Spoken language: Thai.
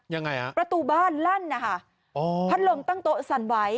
ยังไงฮะประตูบ้านลั่นนะคะอ๋อพัดลมตั้งโต๊ะสั่นไว้